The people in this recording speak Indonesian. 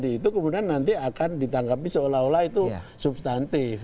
itu kemudian nanti akan ditangkapi seolah olah itu substantif